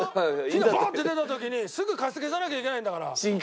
火がバーッて出た時にすぐ消さなきゃいけないんだから。